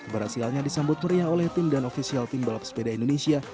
keberhasilannya disambut meriah oleh tim dan ofisial tim balap sepeda indonesia